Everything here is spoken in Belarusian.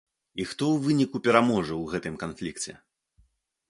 І хто ў выніку пераможа ў гэтым канфлікце?